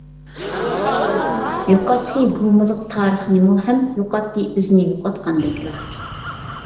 يوقاتتى گۇمىلىق تارىخنىمۇ ھەم، يوقاتتى ئۆزىنى يوقاتقاندەكلا.